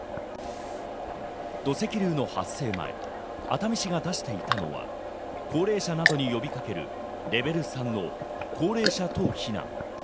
土石流の発生前、熱海市が出していたのは、高齢者などに呼びかけるレベル３の高齢者等避難。